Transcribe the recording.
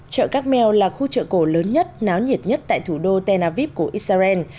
chợ các meo là khu chợ cổ lớn nhất náo nhiệt nhất tại thủ đô tenaviv của israel